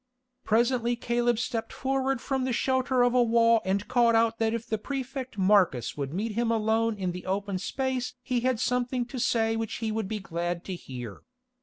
Presently Caleb stepped forward from the shelter of a wall and called out that if the Prefect Marcus would meet him alone in the open space he had something to say which he would be glad to hear.